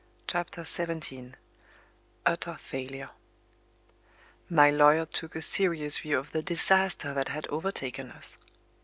CHAPTER XVII UTTER FAILURE My lawyer took a serious view of the disaster that had overtaken us.